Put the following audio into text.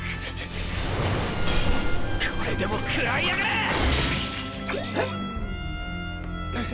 これでも食らいやがれ！！へ？